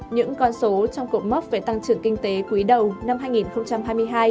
những con số trong cột mốc về tăng trưởng kinh tế quý đầu năm hai nghìn hai mươi hai